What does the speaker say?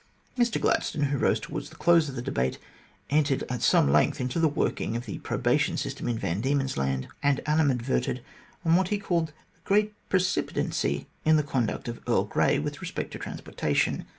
Mr Gladstone, who rose towards the close of the debate, entered at some length into the working of the probation system in Van Diemen's Land, and animadverted on what he called the " great precipitancy " in the conduct of Earl Grey with respect to transportation.